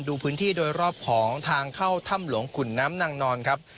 ดูพื้นที่โดยรอบของทางเข้าถ้ำหลวงขุนน้ำนางนอนครับ